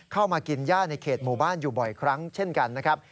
เข้ามากินย่าในเขตหมู่บ้านอยู่บ่อยครั้งเช่นกันนะครับ